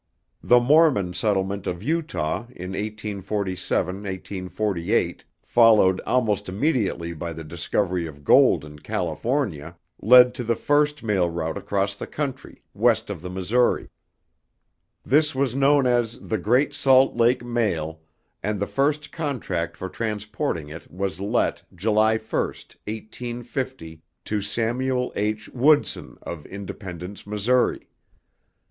The Mormon settlement of Utah in 1847 48, followed almost immediately by the discovery of gold in California, led to the first mail route across the country, west of the Missouri. This was known as the "Great Salt Lake Mail," and the first contract for transporting it was let July 1, 1850, to Samuel H. Woodson of Independence, Missouri.